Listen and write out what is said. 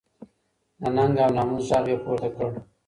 د ننګ او ناموس ږغ یې پورته کړ